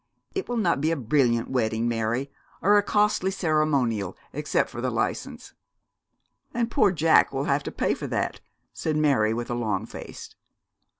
It will not be a brilliant wedding, Mary, or a costly ceremonial, except for the licence.' 'And poor Jack will have to pay for that,' said Mary, with a long face.